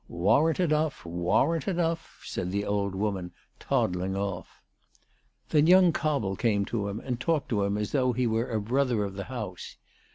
" Warrant enough ; warrant enough," said the old woman, toddling off. Then young Cobble came to him, and talked to him as though he were a brother of the house.